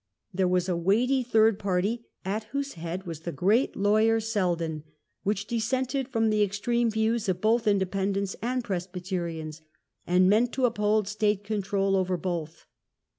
There was a weighty third party, at whose head was the great lawyer Selden, which dissented from the extreme views of both Independents and Presbyterians, and meant to uphold state control over both.